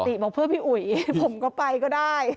บอกเพื่อพี่อุ๋ยผมก็ไปก็ได้